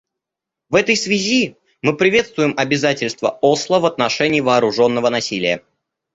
В этой связи мы приветствуем Обязательства Осло в отношении вооруженного насилия.